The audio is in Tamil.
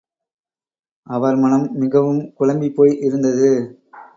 அவர் மனம் மிகவும் குழம்பிப்போய் இருந்தது.